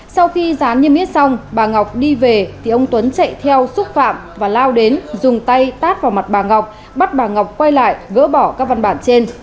sau khi dán niêm yết xong bà ngọc đi về thì ông tuấn chạy theo xúc phạm và lao đến dùng tay tát vào mặt bà ngọc bắt bà ngọc quay lại gỡ bỏ các văn bản trên